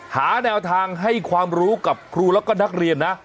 หาแนวทางให้ความรู้กับครูแล้วก็นักเรียนนะ